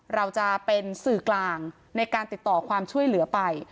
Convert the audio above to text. เราจะเป็นสื่อกลางในการติดต่อความช่วยเหลือไป